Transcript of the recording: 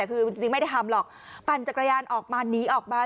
คือจริงไม่ได้ทำหรอกปั่นจักรยานออกมาหนีออกมา